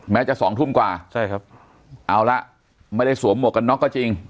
จะสองทุ่มกว่าใช่ครับเอาละไม่ได้สวมหมวกกันน็อกก็จริง